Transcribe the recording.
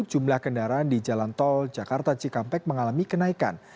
jumlah kendaraan di jalan tol jakarta cikampek mengalami kenaikan